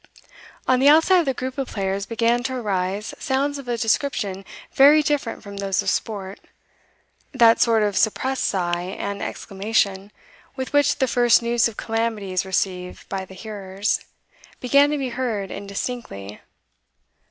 On the outside of the group of players began to arise sounds of a description very different from those of sport that sort of suppressed sigh and exclamation, with which the first news of calamity is received by the hearers, began to be heard indistinctly.